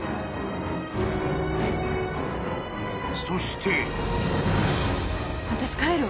［そして］